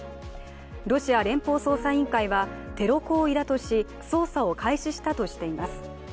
ロシア連邦捜査委員会はテロ行為だとし捜査を開始したとしています。